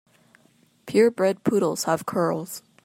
Pure bred poodles have curls.